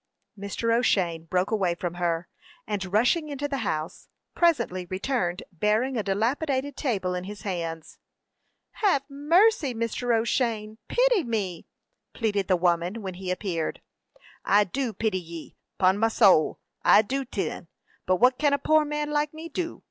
Mr. O'Shane broke away from her, and, rushing into the house, presently returned bearing a dilapidated table in his hands. "Have mercy, Mr. O'Shane. Pity me!" pleaded the woman, when he appeared. "I do pity ye; 'pon me sowl, I do, thin; but what can a poor man like me do?"